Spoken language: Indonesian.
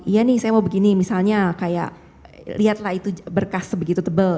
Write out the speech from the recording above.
iya nih saya mau begini misalnya kayak lihatlah itu berkas sebegitu tebal